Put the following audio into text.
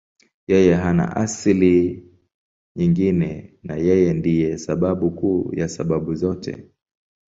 Yeye hana asili nyingine na Yeye ndiye sababu kuu ya sababu zote.